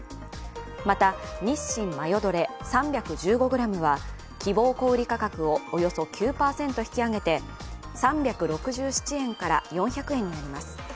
また、日進マヨドレ３１５ｇは希望小売価格をおよそ９％引き上げて、３６７円から４００円になります。